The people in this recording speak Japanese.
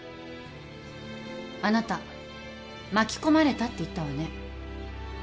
あなた「巻き込まれた」って言ったわね。